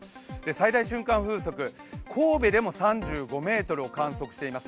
最大瞬間風速、神戸でも３５メートルを観測しています。